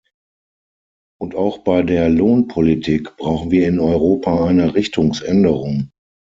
Und auch bei der Lohnpolitik brauchen wir in Europa eine Richtungsänderung.